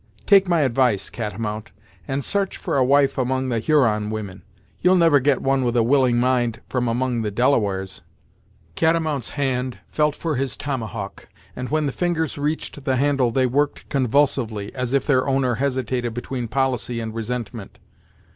Take my advice, Catamount, and s'arch for a wife among the Huron women; you'll never get one with a willing mind from among the Delawares." Catamount's hand felt for his tomahawk, and when the fingers reached the handle they worked convulsively, as if their owner hesitated between policy and resentment.